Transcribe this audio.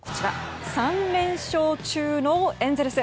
３連勝中のエンゼルス。